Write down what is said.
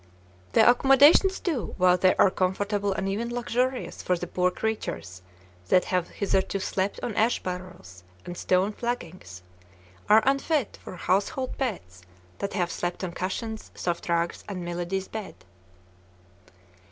The accommodations, too, while they are comfortable and even luxurious for the poor creatures that have hitherto slept on ash barrels and stone flaggings, are unfit for household pets that have slept on cushions, soft rugs, and milady's bed.